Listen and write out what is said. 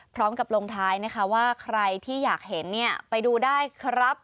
พร้อมกับลงท้ายนะคะว่าใครที่อยากเห็นเนี่ยไปดูได้ครับ